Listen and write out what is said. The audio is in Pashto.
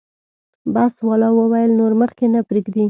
بس والا وویل نور مخکې نه پرېږدي.